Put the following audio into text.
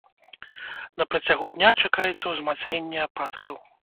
На працягу дня чакаецца ўзмацненне ападкаў.